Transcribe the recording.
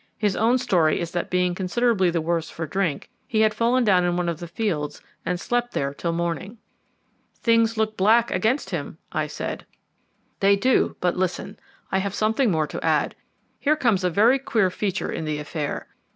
His own story is that being considerably the worse for drink, he had fallen down in one of the fields and slept there till morning." "Things look black against him," I said. "They do; but listen, I have something more to add. Here comes a very queer feature in the affair.